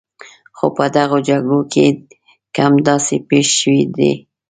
خو په دغو جګړو کې کم داسې پېښ شوي دي.